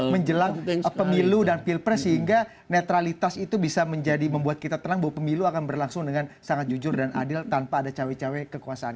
menjelang pemilu dan pilpres sehingga netralitas itu bisa menjadi membuat kita tenang bahwa pemilu akan berlangsung dengan sangat jujur dan adil tanpa ada cawe cawe kekuasaan